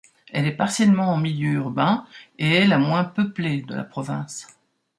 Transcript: Elle est partiellement en milieu urbain et est la moins peuplée de la province.